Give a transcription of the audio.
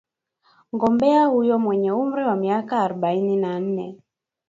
Mgombea huyo mwenye umri wa miaka arubaini na nne